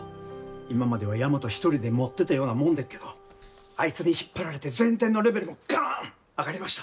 今までは大和一人でもってたようなもんでっけどあいつに引っ張られて全体のレベルもガン上がりました。